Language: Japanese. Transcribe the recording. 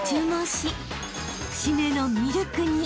［締めのミルクに］